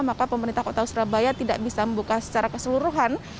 maka pemerintah kota surabaya tidak bisa membuka secara keseluruhan